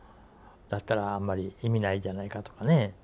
だったらあんまり意味ないんじゃないかとかね。